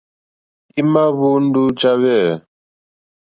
Í má ǃhwóndó ǃjá hwɛ̂.